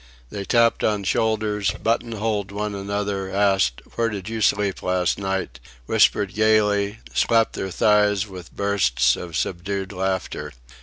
They tapped on shoulders, button holed one another, asked: "Where did you sleep last night?" whispered gaily, slapped their thighs with bursts of subdued laughter.